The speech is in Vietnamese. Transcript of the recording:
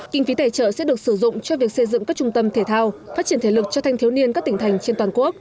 kinh phí tài trợ sẽ được sử dụng cho việc xây dựng các trung tâm thể thao phát triển thể lực cho thanh thiếu niên các tỉnh thành trên toàn quốc